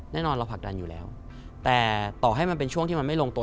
แน่นอนเราผลักดันอยู่แล้วแต่ต่อให้มันเป็นช่วงที่มันไม่ลงตัว